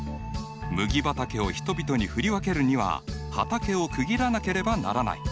麦畑を人々に振り分けるには畑を区切らなければならない。